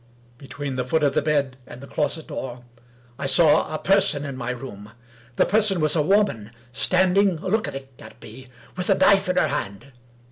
Between the foot of the bed and the closet door, I saw a person in my room. The person was a woman, standing looking at me, with a knife in her hand.